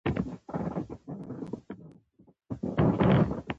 ازادي راډیو د حیوان ساتنه د نړیوالو نهادونو دریځ شریک کړی.